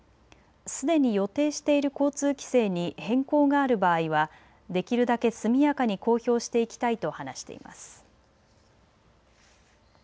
すでに予定している交通規制に変更がある場合はできるだけ速やかに公表していきたいと話しています。